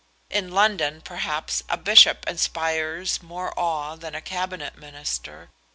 In London, perhaps, a bishop inspires more awe than a Cabinet Minister.